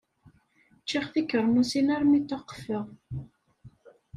Ččiɣ tikeṛmusin armi taqfeɣ.